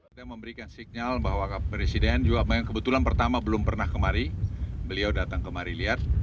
saya memberikan signal bahwa presiden juga kebetulan pertama belum pernah kemari beliau datang kemari lihat